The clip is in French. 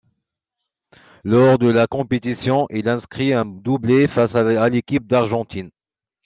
Lors de la compétition, il inscrit un doublé face à l'équipe d'Argentine.